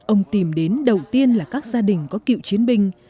ông tìm đến đầu tiên là các gia đình có cựu chiến binh